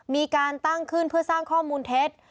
มีการตั้งขึ้นเพื่อสร้างข้อมูลเท็จ